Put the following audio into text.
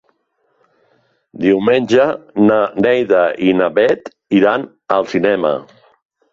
Diumenge na Neida i na Bet iran al cinema.